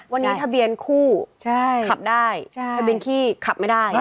วันนี้ทะเบียนคู่ขับได้ทะเบียนขี้ขับไม่ได้